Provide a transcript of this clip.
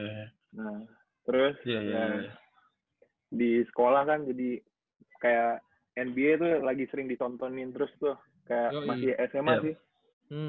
nah terus di sekolah kan jadi kayak nba itu lagi sering ditontonin terus tuh kayak masih sma sih